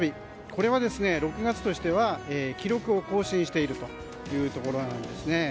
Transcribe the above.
これは６月としては記録を更新しているということです。